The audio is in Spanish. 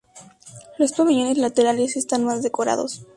Los pabellones laterales están más decorados.